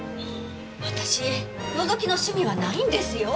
私のぞきの趣味はないんですよ？